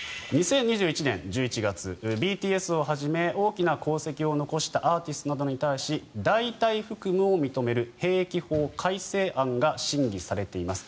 更に、２０２１年１１月ＢＴＳをはじめ大きな功績を残したアーティストなどに対し代替服務を認める兵役法改正案が審議されています。